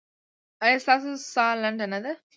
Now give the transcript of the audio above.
ایا ستاسو ساه لنډه نه ده؟